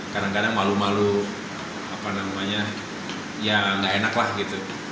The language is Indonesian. kadang kadang malu malu apa namanya ya nggak enak lah gitu